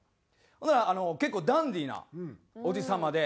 ほんなら結構ダンディーなおじ様で。